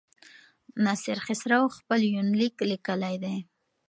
ناصر خسرو خپل يونليک ليکلی دی.